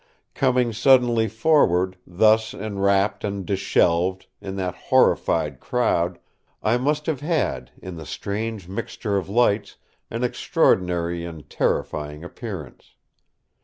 Coming suddenly forward, thus enwrapped and dishevelled, in that horrified crowd, I must have had, in the strange mixture of lights, an extraordinary and terrifying appearance.